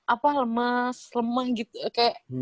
apa lemas lemah gitu kayak